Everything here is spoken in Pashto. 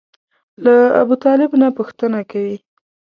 له ابوطالب نه پوښتنه کوي.